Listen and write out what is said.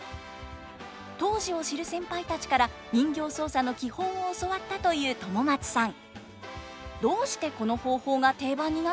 当時を知る先輩たちから人形操作の基本を教わったという友松さん。